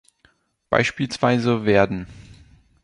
Beispielsweise werden